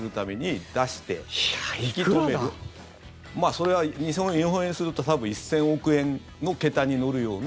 それは日本円にすると１０００億円の桁に乗るような。